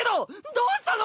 どうしたの！？